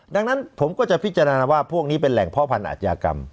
ดังนั้นผมก็จะพิจารณาว่าพวกนี้เป็นแหล่งพ่อพันธยากรรม